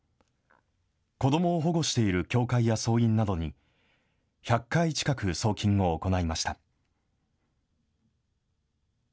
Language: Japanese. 子どもを保護している協会や僧院などに、１００回近く送金を行いました。